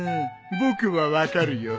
僕は分かるよ。